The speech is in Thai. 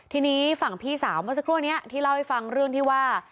ทีนี้ฝั่งพี่สาวเมื่อสักครู่นี้ที่เล่าให้ฟังเรื่องที่ว่า